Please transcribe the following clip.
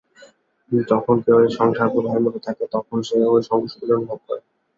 যখন কেহ এই সংসার-প্রবাহের মধ্যে থাকে, তখন সে ঐ সংঘর্ষগুলি অনুভব করে।